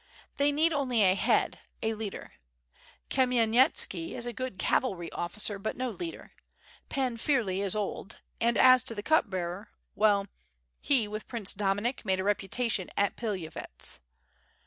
They need only a head, a leader. Kamyenyetski is a good cavalry officer but no leader; Pan Firley is old, and as to the Cup bearer, well — he with Prince Dominik made a reputa tion at Pilavyets.